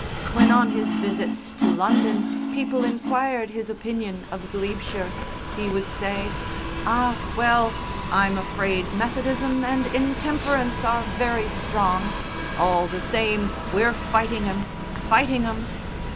When on his visits to London people inquired his opinion of Glebeshire, he would say: "Ah well!... I'm afraid Methodism and intemperance are very strong ... all the same, we're fighting 'em, fighting 'em!"